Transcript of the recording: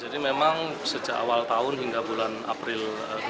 jadi memang sejak awal tahun hingga bulan april dua ribu sembilan belas